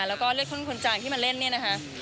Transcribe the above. แล้วก็เลือดข้นคนจางที่มาเล่นเนี่ยนะคะ